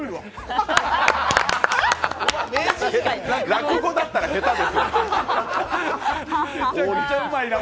落語だったら、下手ですよ。